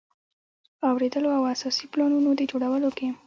اوریدلو او اساسي پلانونو د جوړولو کې.